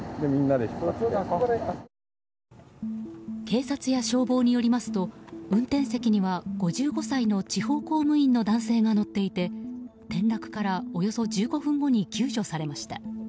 警察や消防によりますと運転席には５５歳の地方公務員の男性が乗っていて転落からおよそ１５分後に救助されました。